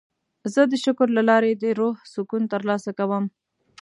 زه د شکر له لارې د روح سکون ترلاسه کوم.